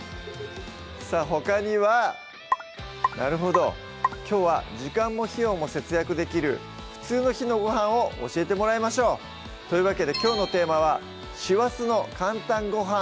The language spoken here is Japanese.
さぁほかにはなるほどきょうは時間も費用も節約できる普通の日のごはんを教えてもらいましょうというわけできょうのテーマは「師走の簡単ごはん！」